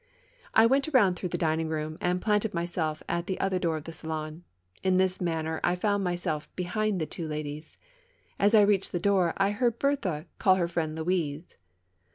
I went around through the dining room and planted myself at the other door of the salon. In this manner I found myself behind the two ladies. As I reached the door, I heard Berthe call her friend Louise.